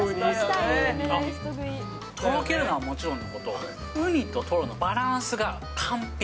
とろけるのはもちろんのこと、ウニとトロのバランスが完璧。